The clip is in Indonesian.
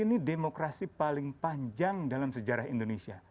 ini demokrasi paling panjang dalam sejarah indonesia